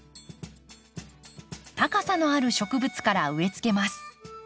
高さのある植物から植えつけます。